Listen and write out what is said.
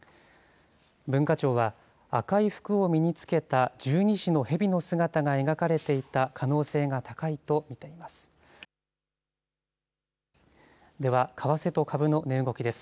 文化庁は赤い服を身につけた十二支のヘビの姿が描かれていた可能性が高いと見ています。